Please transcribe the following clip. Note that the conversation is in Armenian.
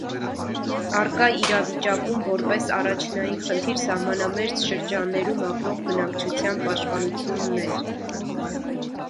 Առկա իրավիճակում որպես առաջնային խնդիր սահմանամերձ շրջաններում ապրող բնակչության պաշտպանությունն էր։